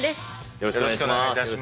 よろしくお願いします。